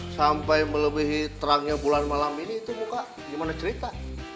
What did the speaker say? sampai melebihi terangnya bulan malam ini itu muka gimana cerita